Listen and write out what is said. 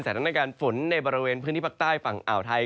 สถานการณ์ฝนในบริเวณพื้นที่ภาคใต้ฝั่งอ่าวไทย